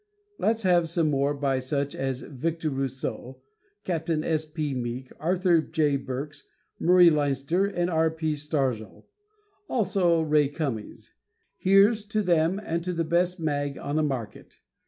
Let's have some more by such as Victor Rousseau, Capt. S. P. Meek, Arthur J. Burks, Murry Leinster and R. P. Starzl. Also Ray Cummings. Here's to them and to the best mag on the market.